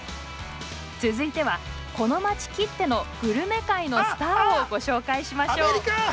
続いてはこの街きってのグルメ界のスターをご紹介しましょう。